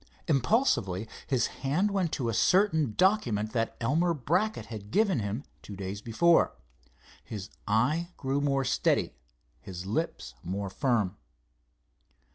Impulsively his hand went to a certain document that Elmer Brackett had given him two days before. His eye grew more steady, his lips more firm.